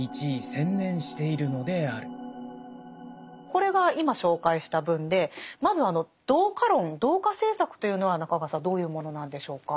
これが今紹介した文でまずあの同化論同化政策というのは中川さんどういうものなんでしょうか。